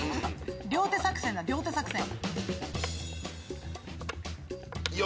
両手作戦だ両手作戦。